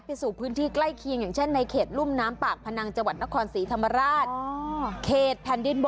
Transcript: ไปสู่พื้นที่ใกล้เคียงอย่างเช่นในเขตรุ่มน้ำปากพนังจังหวัดนครศรีธรรมราช